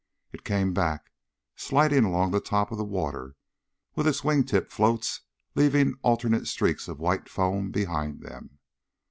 It came back, sliding along the top of the water with its wing tip floats leaving alternate streaks of white foam behind them.